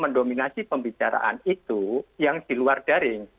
mendominasi pembicaraan itu yang di luar daring